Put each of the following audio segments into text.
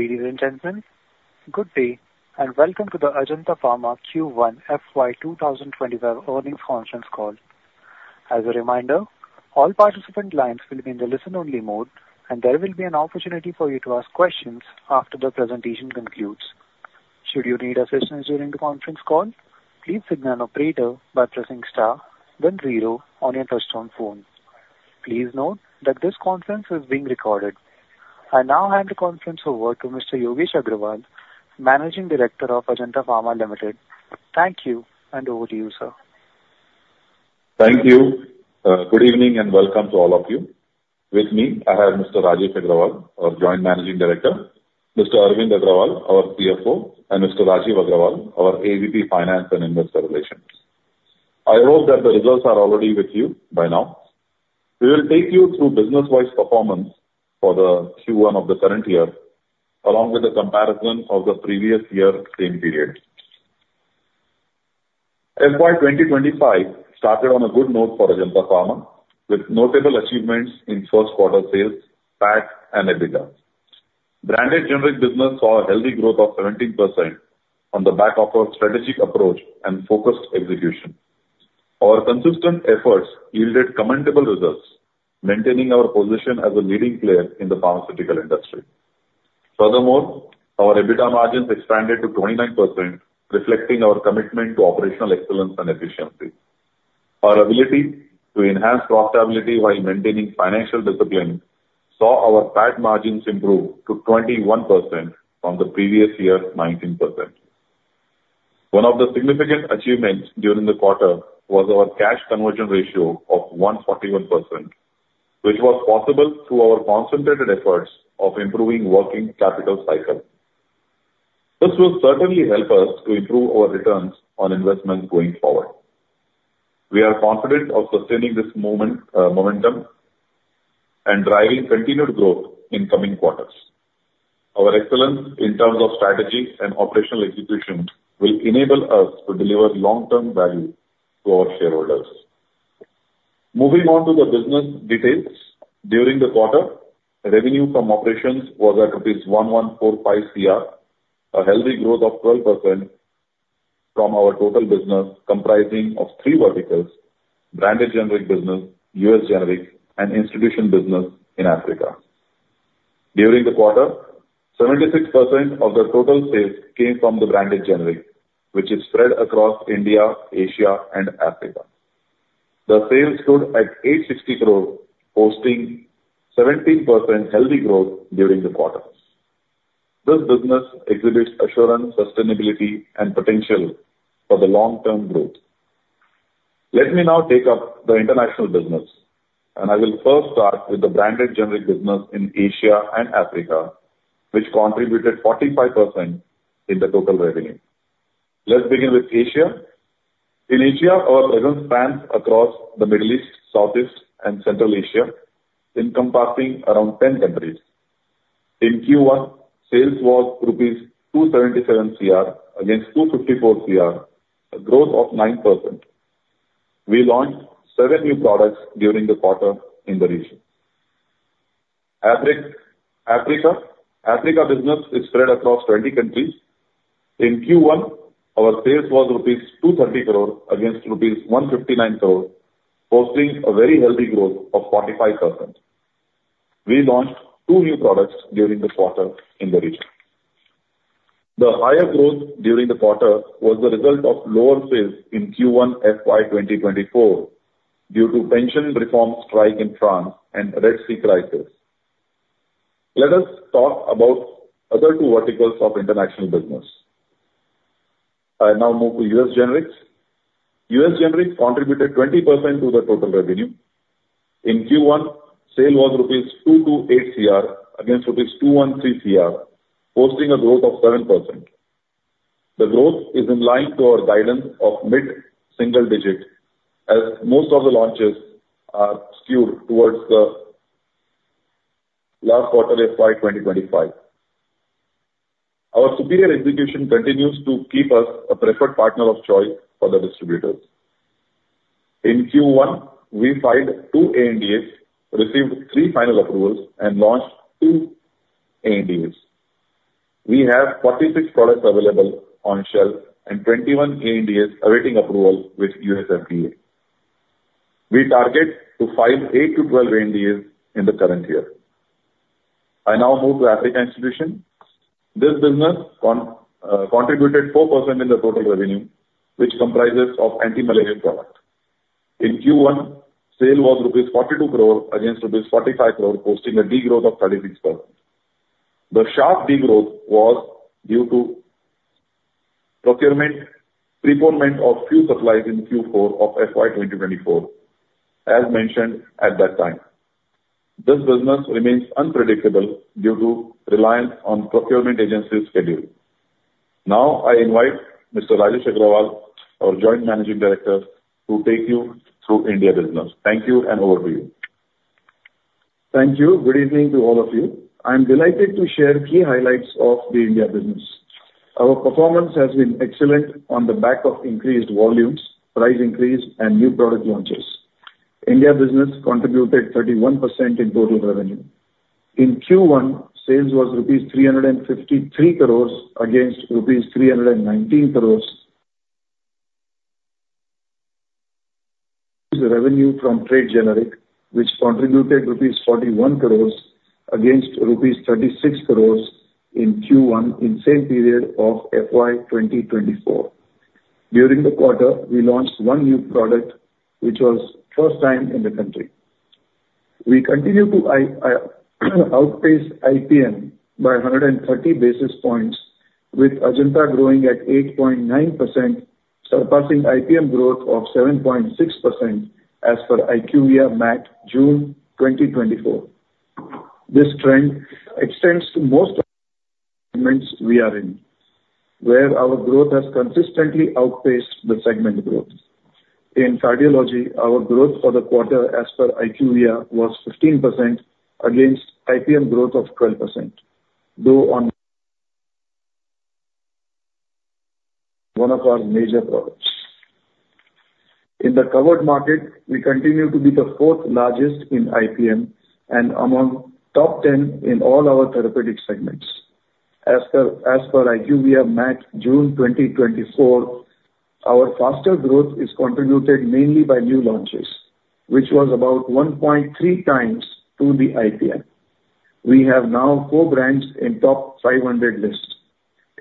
Ladies and gentlemen, good day, and welcome to the Ajanta Pharma Q1 FY 2025 Earnings Conference Call. As a reminder, all participant lines will be in the listen-only mode, and there will be an opportunity for you to ask questions after the presentation concludes. Should you need assistance during the conference call, please signal an operator by pressing star then zero on your touchtone phone. Please note that this conference is being recorded. I now hand the conference over to Mr. Yogesh Agrawal, Managing Director of Ajanta Pharma Limited. Thank you, and over to you, sir. Thank you. Good evening, and welcome to all of you. With me, I have Mr. Rajesh Agrawal, our Joint Managing Director, Mr. Arvind Agrawal, our CFO, and Mr. Rajeev Agrawal, our AVP, Finance and Investor Relations. I hope that the results are already with you by now. We will take you through business-wise performance for the Q1 of the current year, along with the comparison of the previous year's same period. FY 2025 started on a good note for Ajanta Pharma, with notable achievements in first quarter sales, PAT, and EBITDA. Branded generic business saw a healthy growth of 17% on the back of our strategic approach and focused execution. Our consistent efforts yielded commendable results, maintaining our position as a leading player in the pharmaceutical industry. Furthermore, our EBITDA margins expanded to 29%, reflecting our commitment to operational excellence and efficiency. Our ability to enhance profitability while maintaining financial discipline saw our PAT margins improve to 21% from the previous year's 19%. One of the significant achievements during the quarter was our cash conversion ratio of 141%, which was possible through our concentrated efforts of improving working capital cycle. This will certainly help us to improve our returns on investment going forward. We are confident of sustaining this moment, momentum and driving continued growth in coming quarters. Our excellence in terms of strategy and operational execution will enable us to deliver long-term value to our shareholders. Moving on to the business details. During the quarter, the revenue from operations was at rupees 1,145 crore, a healthy growth of 12% from our total business, comprising of three verticals: branded generic business, U.S. generic, and institutional business in Africa. During the quarter, 76% of the total sales came from the branded generic, which is spread across India, Asia, and Africa. The sales stood at 860 crore, hosting 17% healthy growth during the quarter. This business exhibits assurance, sustainability, and potential for the long-term growth. Let me now take up the international business, and I will first start with the branded generic business in Asia and Africa, which contributed 45% in the total revenue. Let's begin with Asia. In Asia, our presence spans across the Middle East, Southeast, and Central Asia, encompassing around 10 countries. In Q1, sales was rupees 277 crore against 254 crore, a growth of 9%. We launched seven new products during the quarter in the region. Africa business is spread across 20 countries. In Q1, our sales was rupees 230 crore against rupees 159 crore, posting a very healthy growth of 45%. We launched two new products during the quarter in the region. The higher growth during the quarter was the result of lower sales in Q1 FY 2024 due to pension reform strike in France and Red Sea crisis. Let us talk about other two verticals of international business. I now move to U.S. generics. U.S. generics contributed 20% to the total revenue. In Q1, sale was rupees 228 Cr against rupees 213 Cr, posting a growth of 7%. The growth is in line to our guidance of mid-single digit, as most of the launches are skewed towards the last quarter of FY 2025. Our superior execution continues to keep us a preferred partner of choice for the distributors. In Q1, we filed 2 ANDAs, received three final approvals, and launched 2 ANDAs. We have 46 products available on shelf and 21 ANDAs awaiting approval with U.S. FDA. We target to file 8-12 ANDAs in the current year. I now move to Africa institutional. This business contributed 4% in the total revenue, which comprises of anti-malarial product. In Q1, sales were rupees 42 crore against rupees 45 crore, posting a degrowth of 36%. The sharp degrowth was due to procurement, prepayment of few supplies in Q4 of FY 2024, as mentioned at that time. This business remains unpredictable due to reliance on procurement agency's schedule. Now, I invite Mr. Rajesh Agrawal, our Joint Managing Director, to take you through India business. Thank you, and over to you. Thank you. Good evening to all of you. I'm delighted to share key highlights of the India business. Our performance has been excellent on the back of increased volumes, price increase, and new product launches. India business contributed 31% in total revenue. In Q1, sales was rupees 353 crores against rupees 319 crores. The revenue from trade generic, which contributed rupees 41 crores against rupees 36 crores in Q1, in same period of FY 2024. During the quarter, we launched one new product, which was first time in the country. We continue to outpace IPM by 130 basis points, with Ajanta growing at 8.9%, surpassing IPM growth of 7.6%, as per IQVIA MAT, June 2024. This trend extends to most segments we are in, where our growth has consistently outpaced the segment growth. In Cardiology, our growth for the quarter, as per IQVIA, was 15% against IPM growth of 12%, though on one of our major products. In the covered market, we continue to be the fourth largest in IPM and among top 10 in all our therapeutic segments. As per IQVIA MAT, June 2024, our faster growth is contributed mainly by new launches, which was about 1.3 times to the IPM. We have now four brands in top 500 list.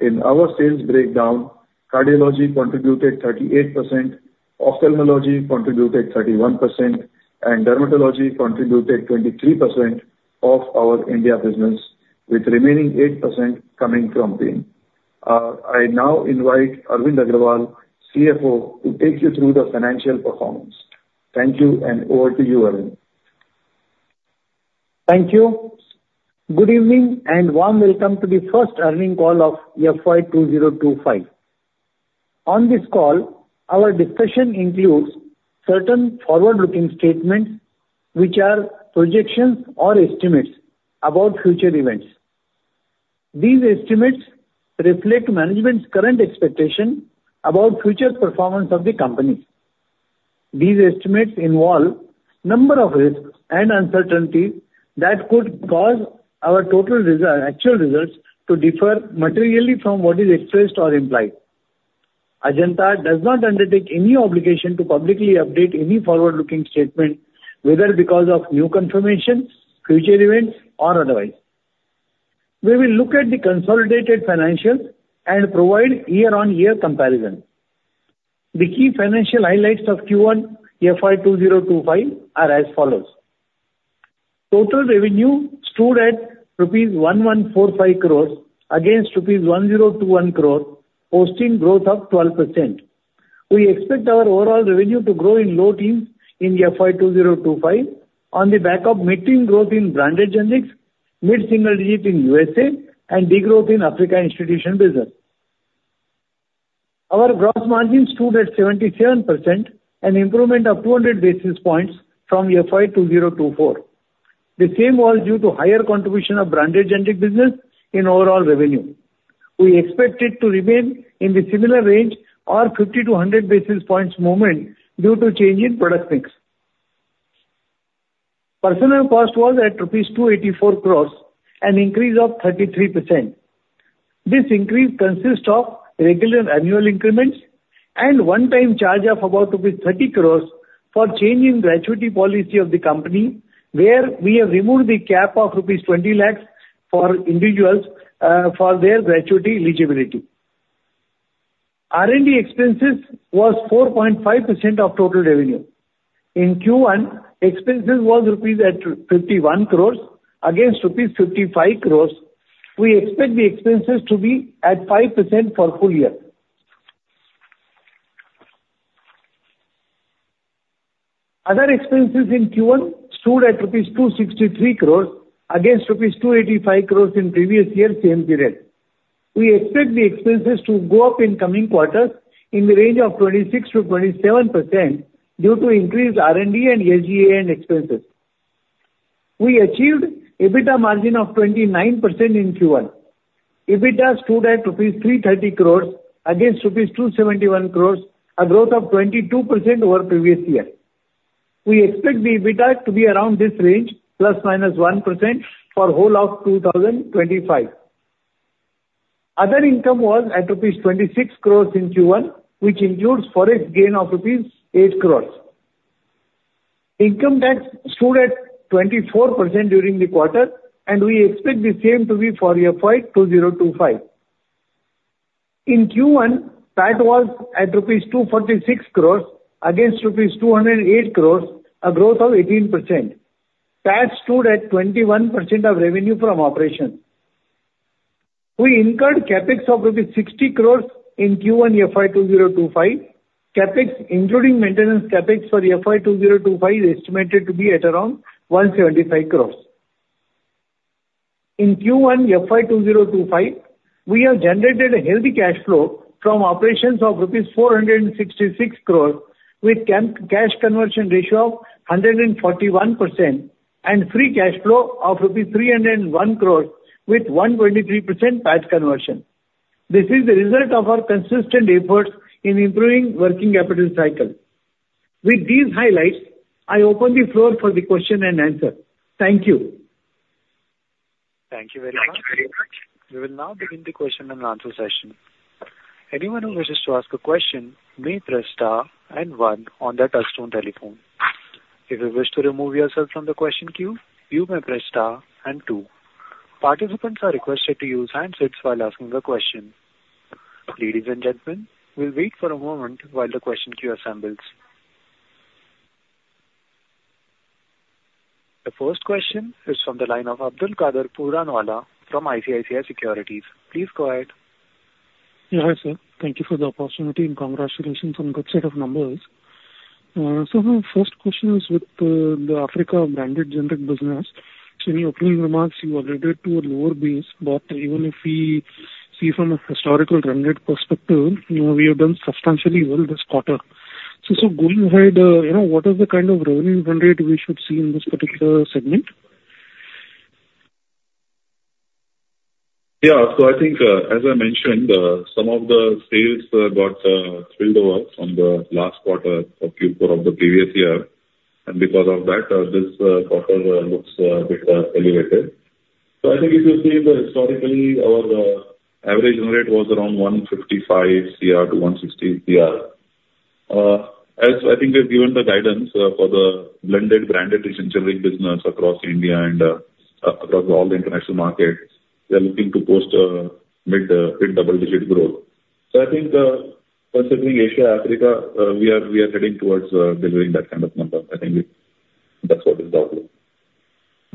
In our sales breakdown, cardiology contributed 38%, ophthalmology contributed 31%, and dermatology contributed 23% of our India business, with remaining 8% coming from pain. I now invite Arvind Agrawal, CFO, to take you through the financial performance. Thank you, and over to you, Arvind. Thank you. Good evening, and warm welcome to the first earnings call of FY 2025. On this call, our discussion includes certain forward-looking statements, which are projections or estimates about future events. These estimates reflect management's current expectation about future performance of the company. These estimates involve a number of risks and uncertainties that could cause our actual results to differ materially from what is expressed or implied. Ajanta does not undertake any obligation to publicly update any forward-looking statement, whether because of new information, future events, or otherwise. We will look at the consolidated financials and provide year-on-year comparison. The key financial highlights of Q1, FY 2025, are as follows: Total revenue stood at rupees 1,145 crores against rupees 1,021 crore, posting 12% growth. We expect our overall revenue to grow in low teens in FY 2025 on the back of mid-teen growth in branded generics, mid-single digit in USA, and degrowth in Africa institutional business. Our gross margin stood at 77%, an improvement of 200 basis points from FY 2024. The same was due to higher contribution of branded generic business in overall revenue. We expect it to remain in the similar range or 50-100 basis points movement due to change in product mix. Personnel cost was at 284 crores rupees, an increase of 33%. This increase consists of regular annual increments and one-time charge of about rupees 30 crores for change in gratuity policy of the company, where we have removed the cap of rupees 20 lakhs for individuals, for their gratuity eligibility. R&D expenses was 4.5% of total revenue. In Q1, expenses was 51 crore rupees against rupees 55 crore. We expect the expenses to be at 5% for full year. Other expenses in Q1 stood at rupees 263 crore against rupees 285 crore in previous year, same period. We expect the expenses to go up in coming quarters in the range of 26%-27% due to increased R&D and SG&A, and expenses. We achieved EBITDA margin of 29% in Q1. EBITDA stood at rupees 330 crore against rupees 271 crore, a growth of 22% over previous year. We expect the EBITDA to be around this range, ±1%, for whole of 2025. Other income was at rupees 26 crore in Q1, which includes forex gain of rupees 8 crore. Income tax stood at 24% during the quarter, and we expect the same to be for FY 2025. In Q1, tax was at rupees 246 crores against rupees 208 crores, a growth of 18%. Tax stood at 21% of revenue from operation. We incurred CapEx of rupees 60 crores in Q1 FY 2025. CapEx, including maintenance CapEx for FY 2025, is estimated to be at around 175 crores. In Q1 FY 2025, we have generated a healthy cash flow from operations of rupees 466 crores, with cash conversion ratio of 141%, and free cash flow of INR 301 crores with 1.3% tax conversion.... This is the result of our consistent efforts in improving working capital cycle. With these highlights, I open the floor for the question and answer. Thank you. Thank you very much. We will now begin the question and answer session. Anyone who wishes to ask a question may press star and one on their touchtone telephone. If you wish to remove yourself from the question queue, you may press star and two. Participants are requested to use handsets while asking the question. Ladies and gentlemen, we'll wait for a moment while the question queue assembles. The first question is from the line of Abdulkader Puranwala from ICICI Securities. Please go ahead. Yeah, hi, sir. Thank you for the opportunity, and congratulations on good set of numbers. So my first question is with the Africa branded generic business. So in your opening remarks, you alluded to a lower base, but even if we see from a historical trend rate perspective, you know, we have done substantially well this quarter. So going ahead, you know, what is the kind of revenue trend rate we should see in this particular segment? Yeah. So I think, as I mentioned, some of the sales got spilled over from the last quarter of Q4 of the previous year, and because of that, this quarter looks bit elevated. So I think if you see historically, our average rate was around 155 crore to 160 crore. As I think we've given the guidance, for the blended branded generics business across India and across all the international markets, we are looking to post a mid-double-digit growth. So I think, considering Asia, Africa, we are heading towards delivering that kind of number. I think that's what is the outlook.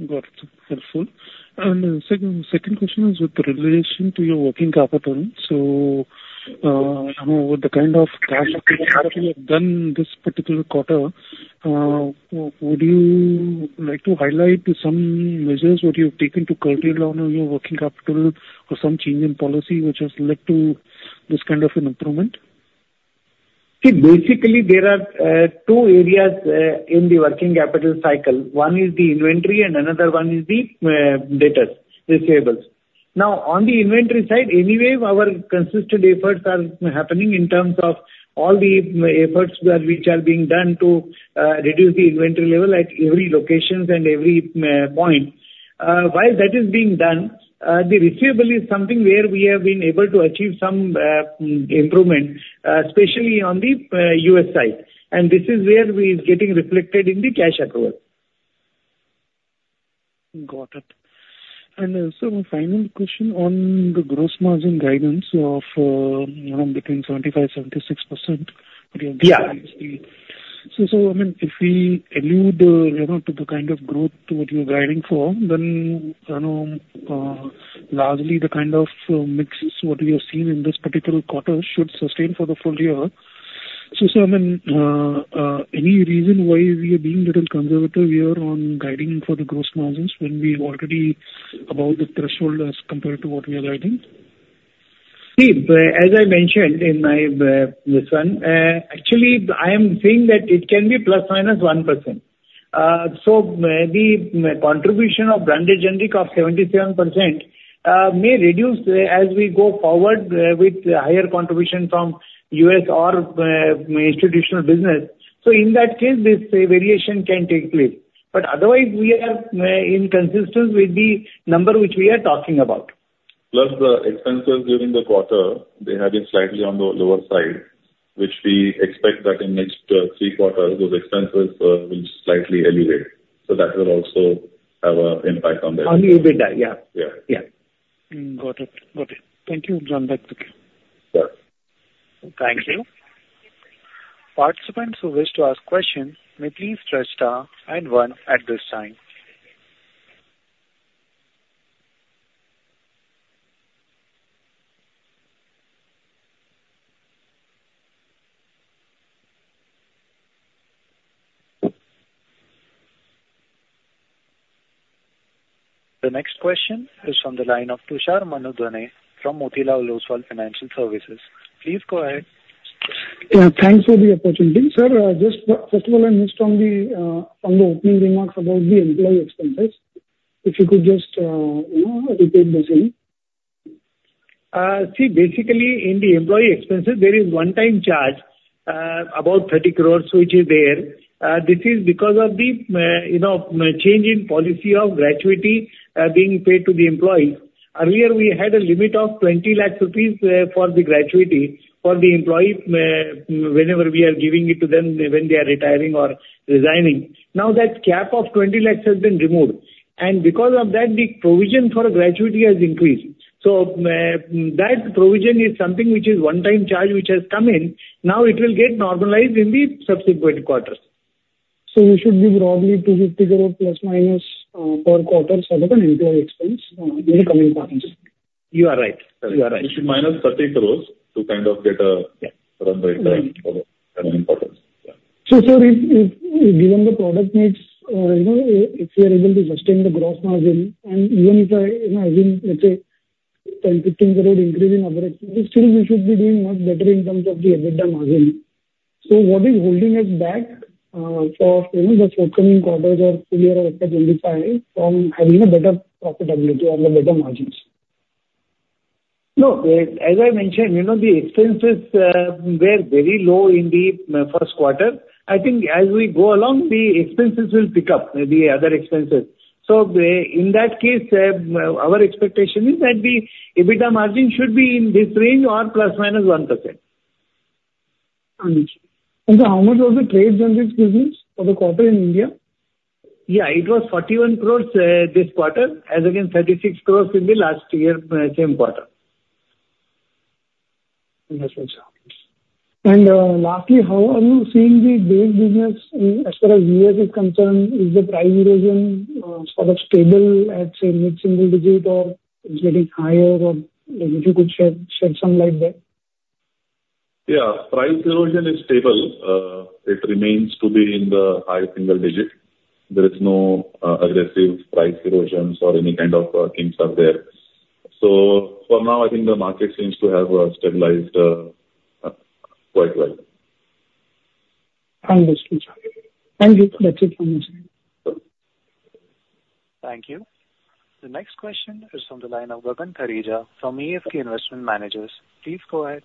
Got it. Helpful. And second, second question is with relation to your working capital. So, you know, with the kind of cash flow you have done this particular quarter, would you like to highlight some measures what you've taken to cut down on your working capital or some change in policy which has led to this kind of an improvement? See, basically, there are two areas in the working capital cycle. One is the inventory and another one is the debtors, receivables. Now, on the inventory side, anyway, our consistent efforts are happening in terms of all the efforts which are being done to reduce the inventory level at every locations and every point. While that is being done, the receivable is something where we have been able to achieve some improvement, especially on the U.S. side. And this is where we are getting reflected in the cash accrual. Got it. And, so my final question on the gross margin guidance of, you know, between 75%-76%- Yeah. So, I mean, if we allude, you know, to the kind of growth what you're guiding for, then, you know, largely the kind of mixes what we have seen in this particular quarter should sustain for the full year. So, I mean, any reason why we are being little conservative here on guiding for the gross margins when we're already about the threshold as compared to what we are guiding? See, as I mentioned in my, actually, I am saying that it can be ±1%. So, the contribution of branded generic of 77% may reduce as we go forward, with higher contribution from U.S. or institutional business. So in that case, this variation can take place, but otherwise we are consistent with the number which we are talking about. Plus the expenses during the quarter, they have been slightly on the lower side, which we expect that in next three quarters, those expenses will slightly elevate. So that will also have an impact on that. On EBITDA, yeah. Yeah. Yeah. Got it. Got it. Thank you. John, back to you. Sure. Thank you. Participants who wish to ask questions may please press star and one at this time. The next question is from the line of Tushar Manudhane from Motilal Oswal Financial Services. Please go ahead. Yeah, thanks for the opportunity. Sir, just first of all, I missed on the, on the opening remarks about the employee expenses. If you could just, you know, repeat the same. See, basically, in the employee expenses, there is one time charge, about 30 crore, which is there. This is because of the, you know, change in policy of gratuity, being paid to the employees. Earlier, we had a limit of 20 lakh rupees, for the gratuity for the employees, whenever we are giving it to them, when they are retiring or resigning. Now, that cap of 20 lakh has been removed, and because of that, the provision for gratuity has increased. So, that provision is something which is one time charge, which has come in. Now it will get normalized in the subsequent quarters. You should be broadly 250 crore ± per quarter sort of an employee expense in the coming quarters? You are right. You are right. You should minus 30 crore to kind of get a- Yeah. From the current quarter. So if, given the product mix, you know, if we are able to sustain the gross margin, and even if I, you know, assume, let's say, INR 10 crore-INR 15 crore increase in our expenses, still we should be doing much better in terms of the EBITDA margin? So what is holding us back, for, you know, the forthcoming quarters or full year et cetera, in the time from having a better profitability or the better margins? No, as I mentioned, you know, the expenses were very low in the first quarter. I think as we go along, the expenses will pick up, the other expenses. So the, in that case, our expectation is that the EBITDA margin should be in this range or ±1%. Understood. And so how much was the trade business for the quarter in India? Yeah, it was 41 crore, this quarter, as against 36 crore in the last year, same quarter. Understood, sir. And, lastly, how are you seeing the base business in, as far as U.S. is concerned, is the price erosion sort of stable at, say, mid-single-digit, or is getting higher? Or if you could shed some light there. Yeah, price erosion is stable. It remains to be in the high single digit. There is no aggressive price erosions or any kind of kinks are there. So for now, I think the market seems to have stabilized quite well. Understood. Thank you. Thank you very much. Thank you. The next question is from the line of Gagan Thareja from ASK Investment Managers. Please go ahead.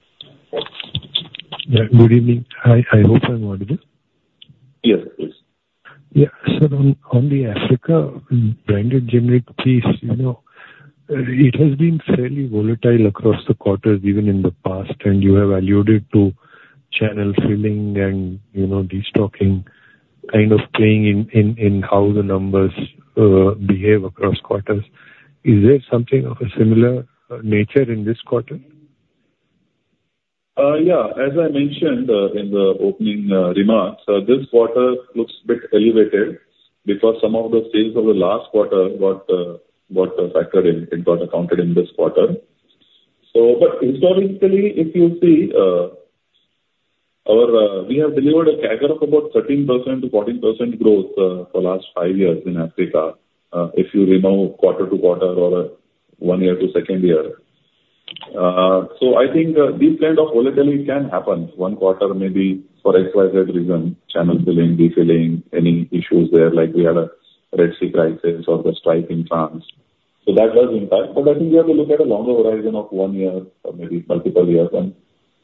Yeah. Good evening. I hope I'm audible. Yes, please. Yeah. So on the Africa branded generic piece, you know, it has been fairly volatile across the quarters, even in the past, and you have alluded to channel filling and, you know, destocking kind of playing in how the numbers behave across quarters. Is there something of a similar nature in this quarter? Yeah. As I mentioned, in the opening remarks, this quarter looks a bit elevated because some of the sales of the last quarter got factored in, it got accounted in this quarter. But historically, if you see, we have delivered a CAGR of about 13%-14% growth for the last five years in Africa, if you remove quarter-to-quarter or one year to second year. So I think, this kind of volatility can happen. One quarter maybe for XYZ reason, channel filling, defilling, any issues there, like we had a Red Sea crisis or the strike in France. That does impact, but I think you have to look at a longer horizon of one year or maybe multiple years, and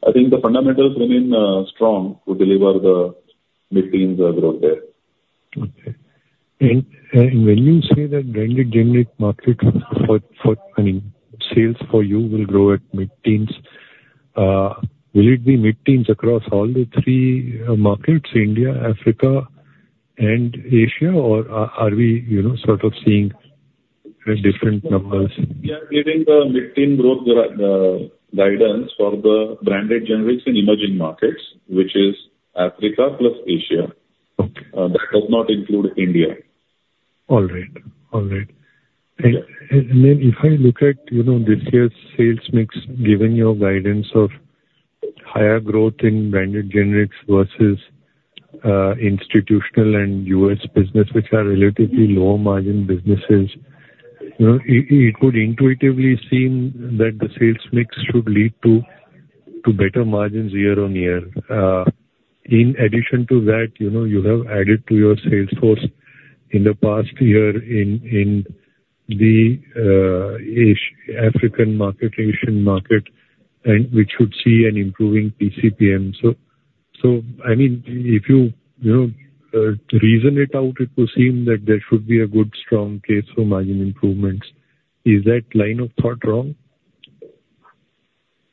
I think the fundamentals remain strong to deliver the mid-teens growth there. Okay. And when you say that branded generic market for, I mean, sales for you will grow at mid-teens, will it be mid-teens across all the three markets, India, Africa, and Asia, or are we, you know, sort of seeing different numbers? We are giving the mid-teen growth guidance for the branded generics in emerging markets, which is Africa plus Asia. Okay. That does not include India. All right. All right. And then if I look at, you know, this year's sales mix, given your guidance of higher growth in branded generics versus institutional and U.S. business, which are relatively lower margin businesses, you know, it could intuitively seem that the sales mix should lead to better margins year on year. In addition to that, you know, you have added to your sales force in the past year in the African market, Asian market, and which should see an improving PCPM. I mean, if you, you know, reason it out, it will seem that there should be a good, strong case for margin improvements. Is that line of thought wrong?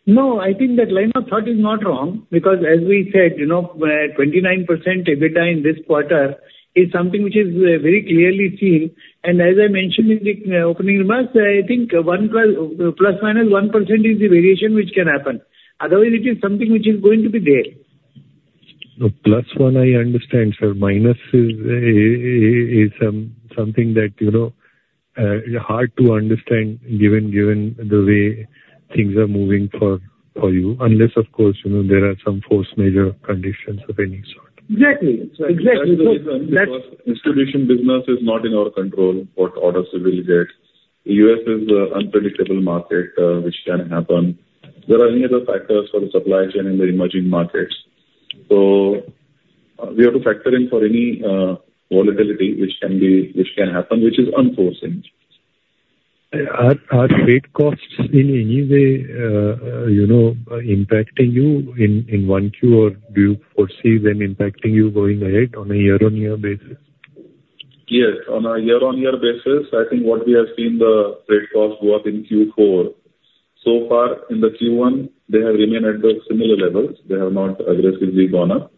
No, I think that line of thought is not wrong, because as we said, you know, 29% EBITDA in this quarter is something which is very clearly seen. And as I mentioned in the opening remarks, I think ±1% is the variation which can happen. Otherwise, it is something which is going to be there. The plus one I understand, sir. Minus is something that, you know, is hard to understand given the way things are moving for you. Unless, of course, you know, there are some force majeure conditions of any sort. Exactly. Exactly. That's the reason, because institutional business is not in our control, what orders we will get. U.S. is a unpredictable market, which can happen. There are many other factors for the supply chain in the emerging markets. So we have to factor in for any volatility which can happen, which is unforeseen. Are freight costs in any way, you know, impacting you in 1Q, or do you foresee them impacting you going ahead on a year-on-year basis? Yes, on a year-on-year basis, I think what we have seen the freight cost go up in Q4. So far in the Q1, they have remained at the similar levels. They have not aggressively gone up.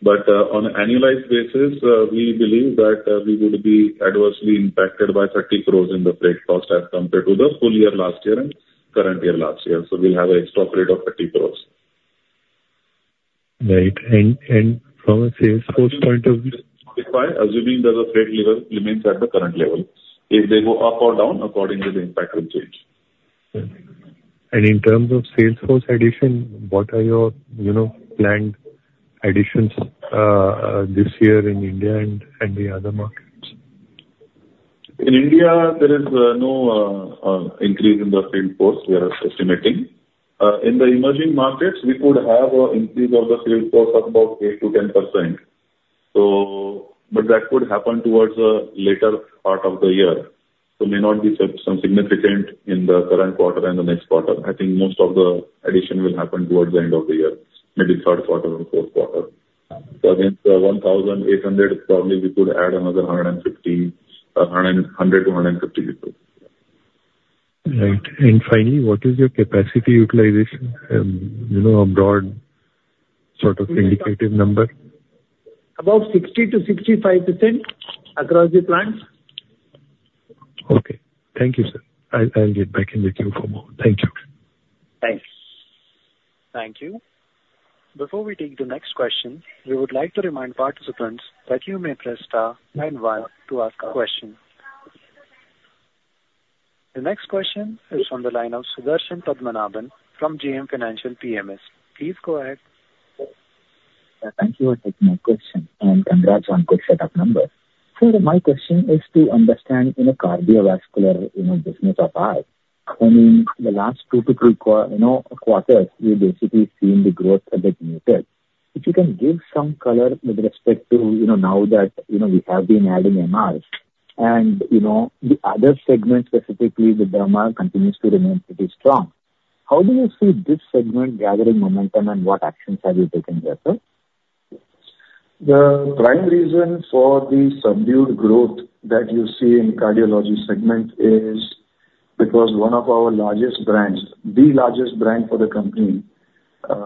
But, on an annualized basis, we believe that, we would be adversely impacted by 30 crore in the freight cost as compared to the full year last year and current year last year. So we'll have an extra freight of 30 crore. Right. And from a sales force point of view? By assuming that the freight level remains at the current level. If they go up or down, accordingly the impact will change. In terms of sales force addition, what are your, you know, planned additions this year in India and the other markets? In India, there is no increase in the sales force we are estimating. In the emerging markets, we could have an increase of the sales force of about 8%-10%. But that could happen towards the later part of the year. So may not be some significant in the current quarter and the next quarter. I think most of the addition will happen towards the end of the year, maybe third quarter and fourth quarter. But against the 1,800, probably we could add another 150, or 100-150 people. Right. And finally, what is your capacity utilization? You know, a broad sort of indicative number. About 60%-65% across the plants. Okay. Thank you, sir. I'll get back in with you for more. Thank you. Thanks. Thank you. Before we take the next question, we would like to remind participants that you may press star then one to ask a question. The next question is on the line of Sudarshan Padmanabhan from JM Financial PMS. Please go ahead. Thank you for taking my question, and congrats on good set of numbers. So my question is to understand in a cardiovascular, you know, business of ours, I mean, in the last two to three, you know, quarters, we've basically seen the growth a bit muted. If you can give some color with respect to, you know, now that, you know, we have been adding MRs, and, you know, the other segment, specifically the derma, continues to remain pretty strong. How do you see this segment gathering momentum, and what actions have you taken there, sir? The prime reason for the subdued growth that you see in cardiology segment is because one of our largest brands, the largest brand for the company,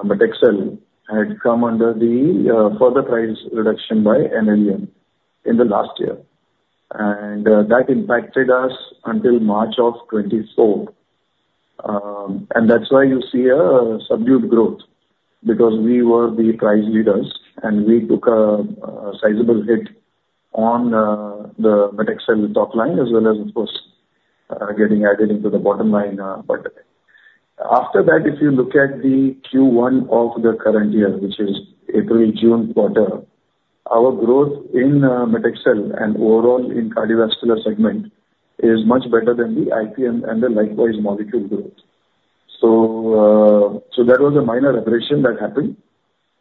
Met XL, had come under the further price reduction by NLEM in the last year. That impacted us until March of 2024. That's why you see a subdued growth, because we were the price leaders, and we took a sizable hit on the Met XL top line, as well as, of course, getting added into the bottom line part. After that, if you look at the Q1 of the current year, which is April-June quarter, our growth in Met XL and overall in cardiovascular segment is much better than the IPM and the likewise molecule growth. So, so that was a minor aberration that happened,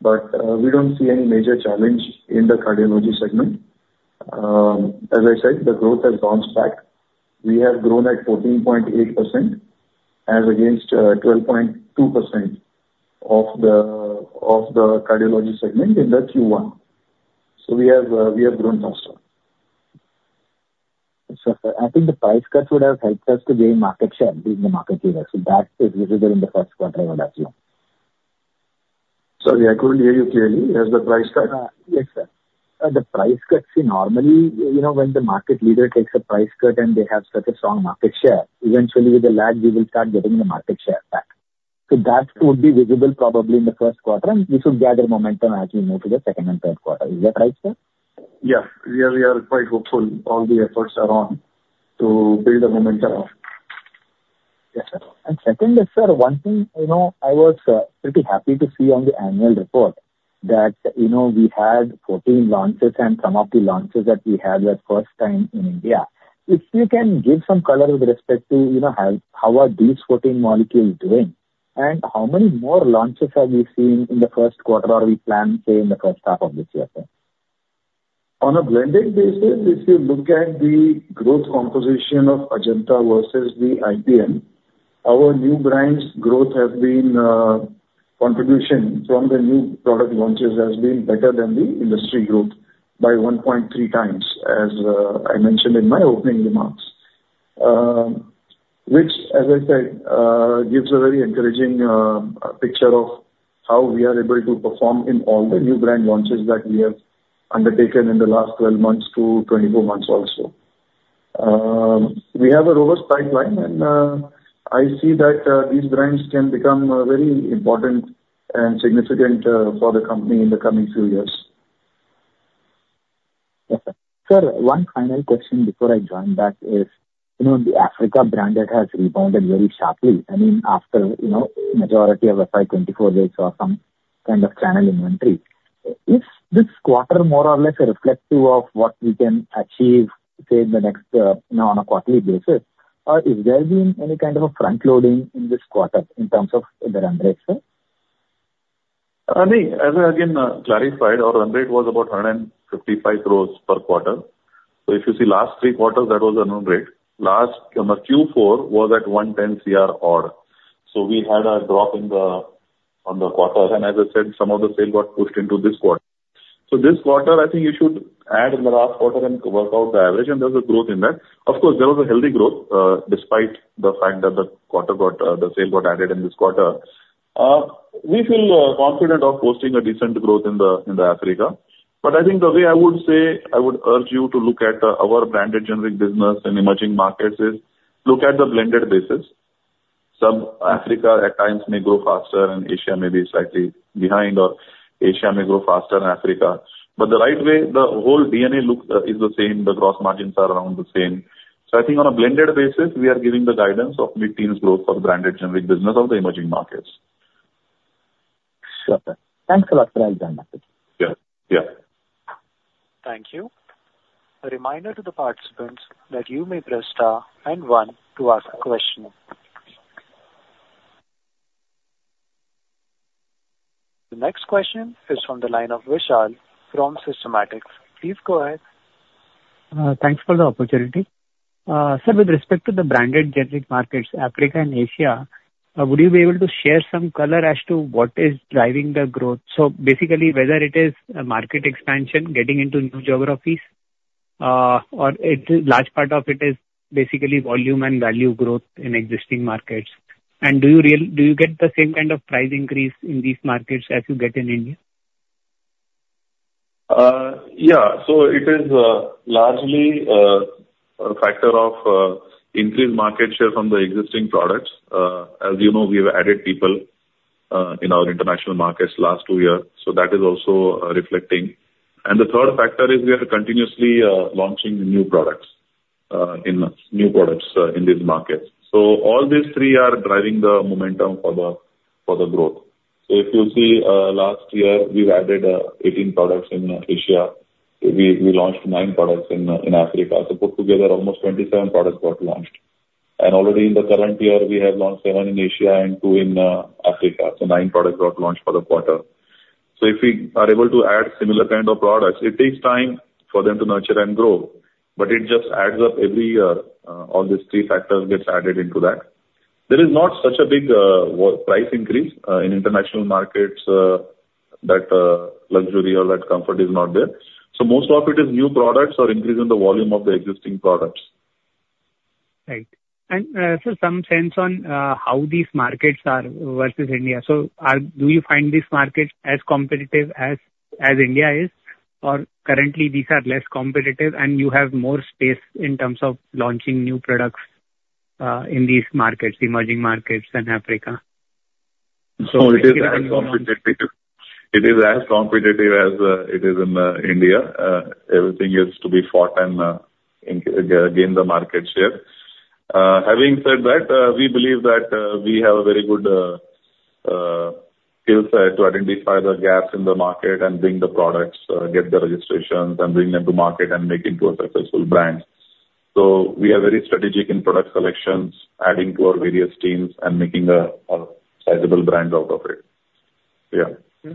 but, we don't see any major challenge in the cardiology segment. As I said, the growth has bounced back. We have grown at 14.8% as against, 12.2% of the, of the cardiology segment in the Q1. So we have, we have grown faster. I think the price cuts would have helped us to gain market share being the market leader, so that is visible in the first quarter, I would assume. Sorry, I couldn't hear you clearly. As the price cut? Yes, sir. The price cuts, normally, you know, when the market leader takes a price cut and they have such a strong market share, eventually with the lag, we will start getting the market share back. So that would be visible probably in the first quarter, and we should gather momentum as we move to the second and third quarter. Is that right, sir? Yes, we are, we are quite hopeful. All the efforts are on to build the momentum. Yes, sir. And secondly, sir, one thing, you know, I was pretty happy to see on the annual report that, you know, we had 14 launches and some of the launches that we had were first time in India. If you can give some color with respect to, you know, how are these 14 molecules doing, and how many more launches have you seen in the first quarter, or we plan, say, in the first half of this year, sir? On a blended basis, if you look at the growth composition of Ajanta versus the IPM, our new brands growth has been contribution from the new product launches has been better than the industry growth by 1.3x, as I mentioned in my opening remarks. Which, as I said, gives a very encouraging picture of how we are able to perform in all the new brand launches that we have undertaken in the last 12 months to 24 months also. We have a robust pipeline, and I see that these brands can become very important and significant for the company in the coming few years. Yes, sir. Sir, one final question before I join back is, you know, the Africa brand that has rebounded very sharply, I mean, after, you know, majority of FY 2024, they saw some kind of channel inventory. Is this quarter more or less reflective of what we can achieve, say, in the next, you know, on a quarterly basis, or is there been any kind of a front loading in this quarter in terms of the run rate, sir? I mean, as I again clarified, our run rate was about 155 crores per quarter. So if you see last three quarters, that was the run rate. Last, on the Q4 was at 110 crores odd. So we had a drop in the, on the quarter. And as I said, some of the sales got pushed into this quarter. So this quarter, I think you should add in the last quarter and work out the average, and there's a growth in that. Of course, there was a healthy growth, despite the fact that the quarter got, the sale got added in this quarter. We feel confident of posting a decent growth in the, in the Africa. But I think the way I would say, I would urge you to look at our branded generic business in emerging markets is, look at the blended basis. Some Africa at times may grow faster and Asia may be slightly behind, or Asia may grow faster than Africa. But the right way, the whole DNA look is the same, the gross margins are around the same. So I think on a blended basis, we are giving the guidance of mid-teens growth for the branded generic business of the emerging markets.... Sure, sir. Thanks a lot for Ajanta. Yeah, yeah. Thank you. A reminder to the participants that you may press star and one to ask a question. The next question is from the line of Vishal from Systematix. Please go ahead. Thanks for the opportunity. Sir, with respect to the branded generic markets, Africa and Asia, would you be able to share some color as to what is driving the growth? So basically, whether it is a market expansion, getting into new geographies, or it is large part of it is basically volume and value growth in existing markets. And do you get the same kind of price increase in these markets as you get in India? Yeah. So it is largely a factor of increased market share from the existing products. As you know, we have added people in our international markets last two years, so that is also reflecting. And the third factor is we are continuously launching new products in these markets. So all these three are driving the momentum for the growth. So if you see, last year, we've added 18 products in Asia. We launched nine products in Africa. So put together, almost 27 products got launched. And already in the current year, we have launched seven in Asia and two in Africa. So nine products got launched for the quarter. So if we are able to add similar kind of products, it takes time for them to nurture and grow, but it just adds up every year, all these three factors gets added into that. There is not such a big price increase in international markets. That luxury or that comfort is not there. So most of it is new products or increase in the volume of the existing products. Right. And, so some sense on how these markets are versus India. So, do you find these markets as competitive as, as India is, or currently these are less competitive and you have more space in terms of launching new products in these markets, emerging markets and Africa? So it is as competitive, it is as competitive as it is in India. Everything is to be fought and gain the market share. Having said that, we believe that we have a very good skill set to identify the gaps in the market and bring the products, get the registrations and bring them to market and make it into a successful brand. So we are very strategic in product selections, adding to our various teams and making a sizable brand out of it. Yeah.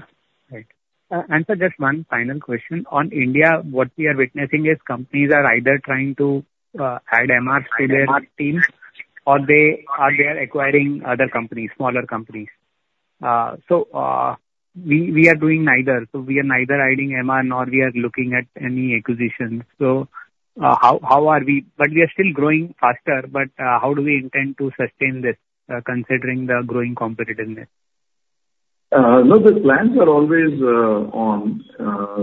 Right. And sir, just one final question. On India, what we are witnessing is companies are either trying to add MRs to their teams, or they are acquiring other companies, smaller companies. So, we are doing neither, so we are neither adding MR, nor we are looking at any acquisitions. So, how are we, but we are still growing faster, but how do we intend to sustain this, considering the growing competitiveness? No, the plans are always on.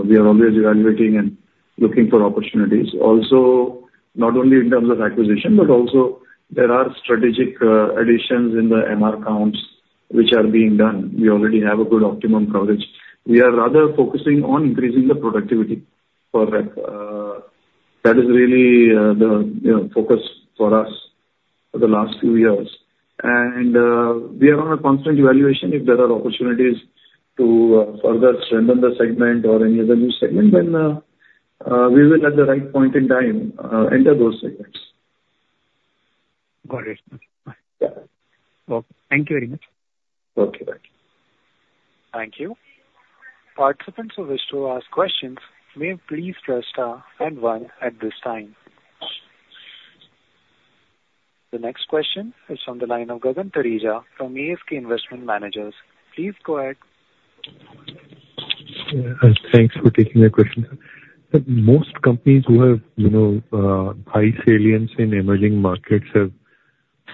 We are always evaluating and looking for opportunities. Also, not only in terms of acquisition, but also there are strategic additions in the MR counts, which are being done. We already have a good optimum coverage. We are rather focusing on increasing the productivity for that. That is really the, you know, focus for us for the last few years. We are on a constant evaluation. If there are opportunities to further strengthen the segment or any other new segment, then we will, at the right point in time, enter those segments. Got it. Yeah. Well, thank you very much. Okay, thank you. Thank you. Participants who wish to ask questions may please press star and one at this time. The next question is from the line of Gagan Thareja from ASK Investment Managers. Please go ahead. Thanks for taking my question. But most companies who have, you know, high salience in emerging markets have,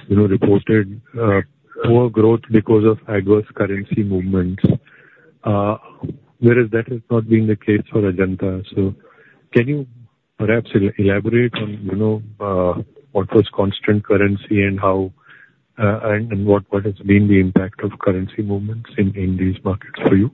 you know, reported poor growth because of adverse currency movements, whereas that has not been the case for Ajanta. So can you perhaps elaborate on, you know, what was constant currency and how and what has been the impact of currency movements in these markets for you?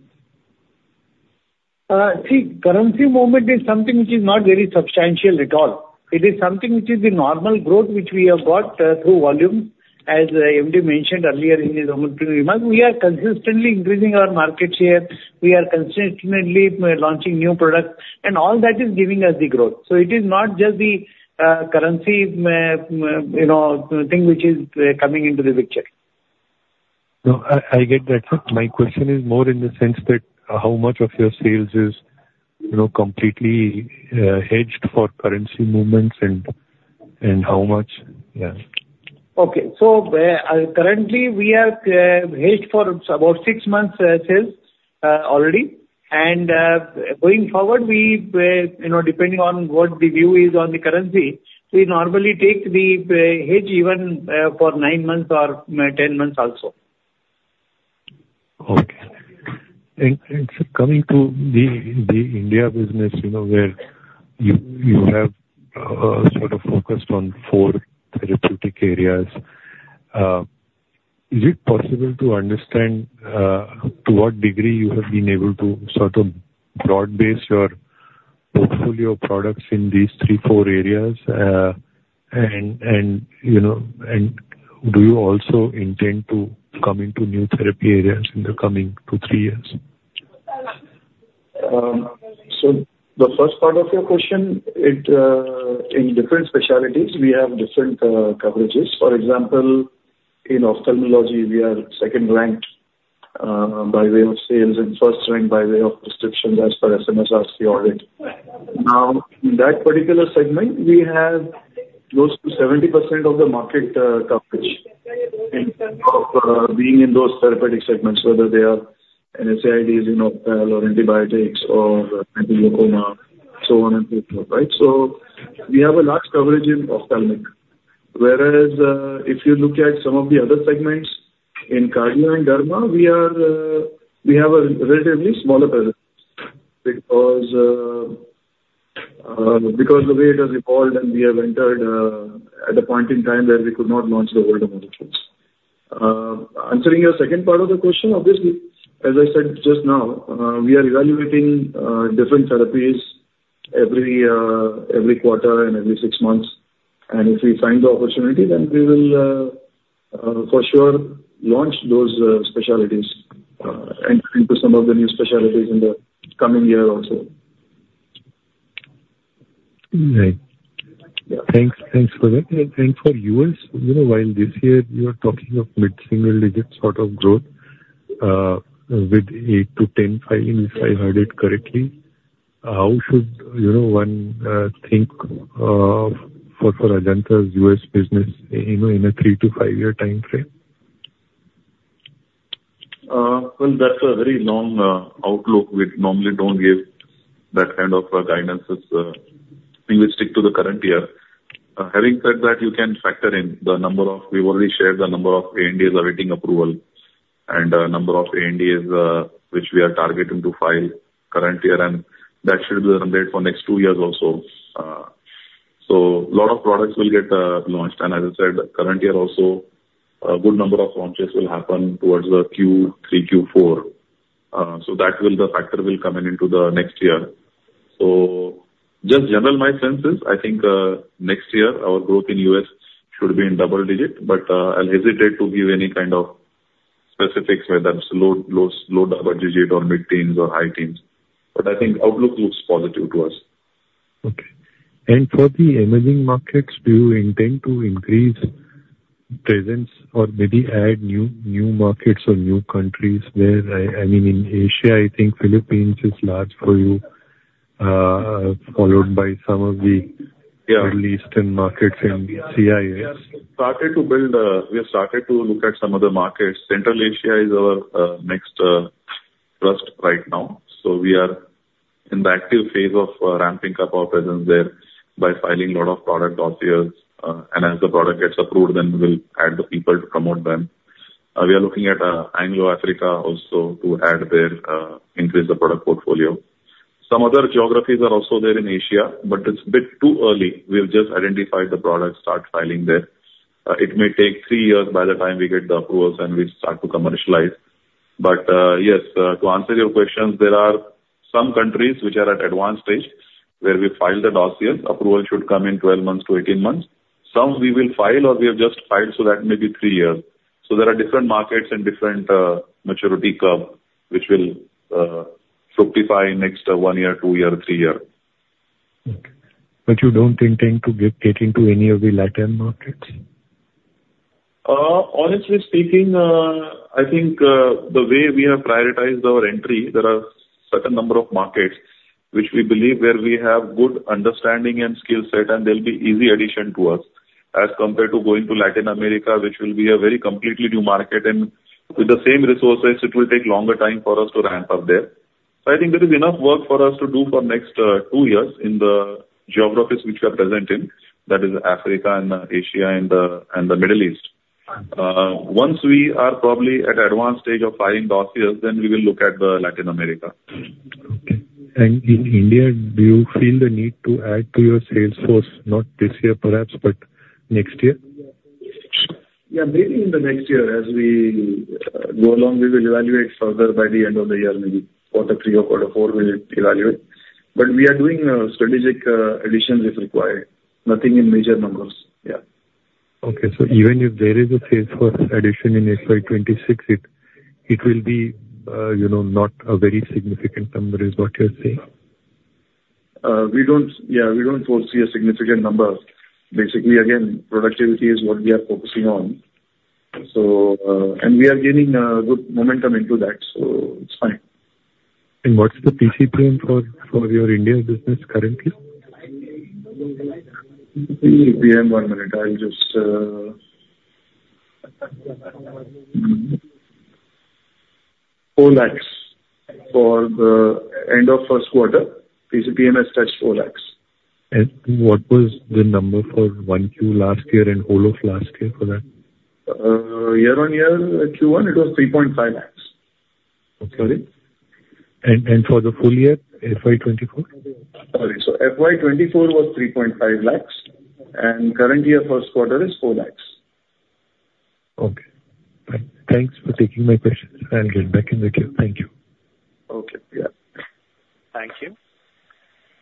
See, currency movement is something which is not very substantial at all. It is something which is the normal growth, which we have got, through volume. As MD mentioned earlier in his opening remarks, we are consistently increasing our market share, we are consistently launching new products, and all that is giving us the growth. So it is not just the, currency, you know, thing which is, coming into the picture. No, I get that. My question is more in the sense that how much of your sales is, you know, completely hedged for currency movements and how much? Yeah. Okay. So, currently, we have hedged for about six months sales already. And going forward, we you know, depending on what the view is on the currency, we normally take the hedge even for nine months or 10 months also. Okay. And so coming to the India business, you know, where you have sort of focused on four therapeutic areas, is it possible to understand to what degree you have been able to sort of broad base your portfolio of products in these three, four areas, and you know, and do you also intend to come into new therapy areas in the coming two, three years? So the first part of your question, in different specialties we have different coverages. For example, in ophthalmology, we are second ranked by way of sales and first ranked by way of prescriptions as per SMSRC audit. Now, in that particular segment, we have close to 70% of the market coverage in terms of being in those therapeutic segments, whether they are NSAIDs, you know, or antibiotics or antiglaucoma, so on and so forth, right? So we have a large coverage in ophthalmic. Whereas, if you look at some of the other segments in cardio and derma, we have a relatively smaller presence because the way it has evolved and we have entered at a point in time where we could not launch the older molecules. Answering your second part of the question, obviously, as I said just now, we are evaluating different therapies every quarter and every six months. And if we find the opportunity, then we will, for sure, launch those specialties and into some of the new specialties in the coming year also. Right. Thanks. Thanks for that. And for U.S., you know, while this year you are talking of mid-single-digit sort of growth, with eight to 1.0 filings, if I heard it correctly, how should, you know, one, think, for, for Ajanta's U.S. business you know, in a three to five-year timeframe? Well, that's a very long outlook. We normally don't give that kind of guidances. We will stick to the current year. Having said that, you can factor in the number of... We've already shared the number of ANDAs awaiting approval and number of ANDAs which we are targeting to file current year, and that should be in place for next two years also. So lot of products will get launched. And as I said, current year also, a good number of launches will happen towards the Q3, Q4. So that will, the factor will come in into the next year. So just general, my sense is, I think, next year, our growth in U.S. should be in double digit, but, I'll hesitate to give any kind of specifics, whether it's low double digit or mid-teens or high teens, but I think outlook looks positive to us. Okay. For the emerging markets, do you intend to increase presence or maybe add new markets or new countries where... I mean, in Asia, I think Philippines is large for you, followed by some of the- Yeah. Middle Eastern markets and CIS. We have started to build, we have started to look at some other markets. Central Asia is our next thrust right now. So we are in the active phase of ramping up our presence there by filing a lot of product dossiers. And as the product gets approved, then we'll add the people to promote them. We are looking at Angola, Africa also to add to increase the product portfolio. Some other geographies are also there in Asia, but it's a bit too early. We've just identified the products, start filing there. It may take three years by the time we get the approvals and we start to commercialize. But yes, to answer your questions, there are some countries which are at advanced stage, where we filed the dossiers. Approval should come in 12-18 months. Some we will file or we have just filed, so that may be three years. So there are different markets and different maturity curve, which will fructify next one year, two year, three year. Okay. But you don't intend to get into any of the Latin markets? Honestly speaking, I think the way we have prioritized our entry, there are certain number of markets which we believe where we have good understanding and skill set, and they'll be easy addition to us, as compared to going to Latin America, which will be a very completely new market. And with the same resources, it will take longer time for us to ramp up there. So I think there is enough work for us to do for next two years in the geographies which we are present in, that is Africa, Asia, and the Middle East. Once we are probably at advanced stage of filing dossiers, then we will look at Latin America. Okay. In India, do you feel the need to add to your sales force? Not this year, perhaps, but next year. Yeah, maybe in the next year. As we go along, we will evaluate further by the end of the year, maybe quarter three or quarter four, we will evaluate. But we are doing strategic additions if required. Nothing in major numbers. Yeah. Okay. So even if there is a sales force addition in FY 2026, it will be, you know, not a very significant number, is what you're saying? Yeah, we don't foresee a significant number. Basically, again, productivity is what we are focusing on. So, and we are gaining good momentum into that, so it's fine. What's the PCPM for your India business currently? PCPM, one minute, I'll just, four lakhs for the end of first quarter. PCPMs touched 4 lakhs. What was the number for 1Q last year and whole of last year for that? Year-on-year Q1, it was 3.5 lakhs. Okay. And for the full year, FY 2024? Sorry, so FY 2024 was 3.5 lakh, and current year first quarter is 4 lakh. Okay. Thanks for taking my questions. I'll get back in the queue. Thank you. Okay, yeah. Thank you.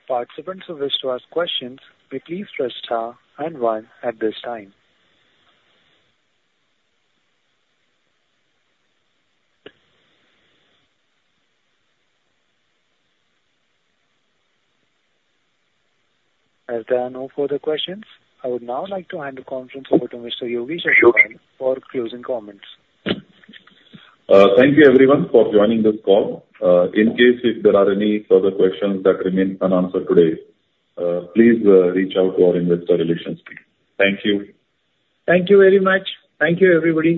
Participants who wish to ask questions, please press star and one at this time. As there are no further questions, I would now like to hand the conference over to Mr. Yogesh, for closing comments. Thank you, everyone, for joining this call. In case if there are any further questions that remain unanswered today, please, reach out to our investor relations team. Thank you. Thank you very much. Thank you, everybody.